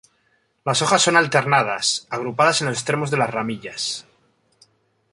Las hojas son alternadas, agrupadas en los extremos de las ramillas.